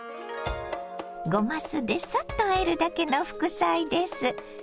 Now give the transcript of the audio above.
ごま酢でサッとあえるだけの副菜です。